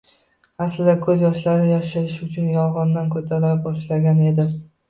Aslida ko`z yoshlarini yashirish uchun yolg`ondan yo`tala boshlagan edi